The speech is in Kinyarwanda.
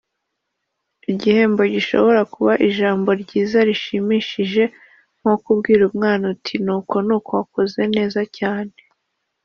Igihembo gishobora kuba ijambo ryiza rishimishije nko kubwira umwana uti “nuko nuko wakoze neza cyane